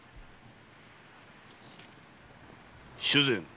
主膳！